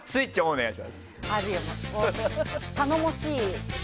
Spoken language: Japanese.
お願いします。